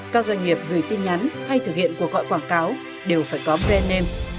các doanh nghiệp gọi quảng cáo đều phải có brand name